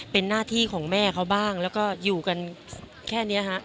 เป็นหน้าที่ของแม่เขาบ้างแล้วก็อยู่กันแค่นี้ฮะ